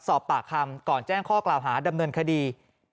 สอบปากคำก่อนแจ้งข้อกล่าวหาดำเนินคดี